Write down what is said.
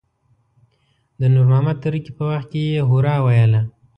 د نور محمد تره کي په وخت کې يې هورا ویله.